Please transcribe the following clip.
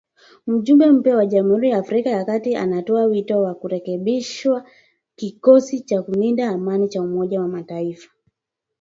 Mjumbe mpya wa Jamhuri ya Afrika ya kati anatoa wito wa kurekebishwa kikosi cha kulinda amani cha Umoja wa Mataifa